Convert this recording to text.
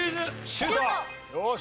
シュート！